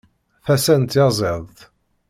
Tasa n tyaziḍt.